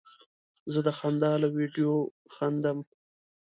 زه د خندا له ویډیو خندم.